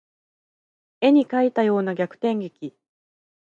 絵に描いたような逆転劇